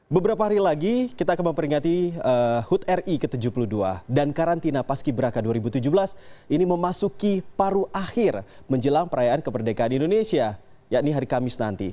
beberapa hari lagi kita akan memperingati hud ri ke tujuh puluh dua dan karantina paski beraka dua ribu tujuh belas ini memasuki paru akhir menjelang perayaan kemerdekaan indonesia yakni hari kamis nanti